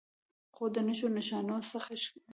خو د نښو نښانو څخه ښکارې